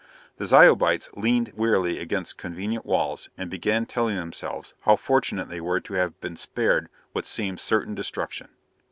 The Zyobites leaned wearily against convenient walls and began telling themselves how fortunate they were to have been spared what seemed certain destruction.